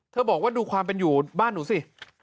บอกว่าดูความเป็นอยู่บ้านหนูสิ